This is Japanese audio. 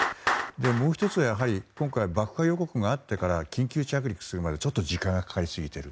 もう１つは、やはり今回爆破予告があってから緊急着陸するまでにちょっと時間がかかりすぎている。